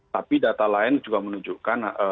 tapi data lain juga menunjukkan